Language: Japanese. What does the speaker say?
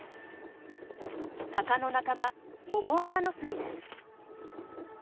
タカの仲間モモアカノスリです。